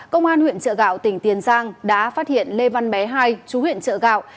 công an huyện trợ gạo tỉnh tiền giang đã phát hiện lê văn bé hai chú huyện trợ gạo